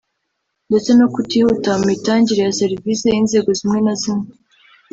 ndetse no kutihuta mu mitangire ya serivisi y’inzego zimwe na zimwe